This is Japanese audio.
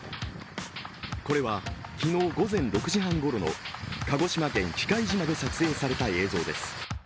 これは昨日午前６時半ごろの鹿児島県喜界島で撮影された映像です。